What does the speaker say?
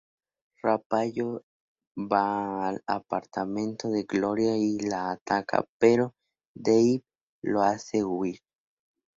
Rapallo va al apartamento de Gloria y la ataca pero Davey lo hace huir.